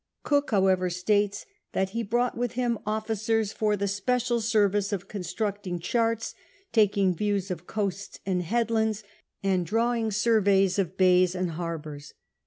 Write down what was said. Cook, however, states that he brought with him officers for the special service of constructing charts, taking views of coasts and headlands, and draw ing surveys of bays and harbours.